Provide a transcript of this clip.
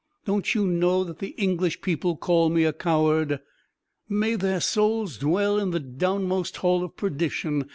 Don't you know that the English people call me a coward?" "May their souls dwell in the downmost hall of perdition!"